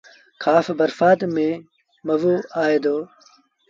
کآس برسآت ميݩ مزو آئي دو۔